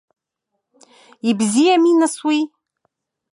Ибзиами нас уи?